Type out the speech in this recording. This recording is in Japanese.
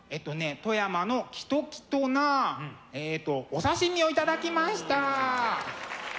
富山のきときとなえっとお刺身を頂きました。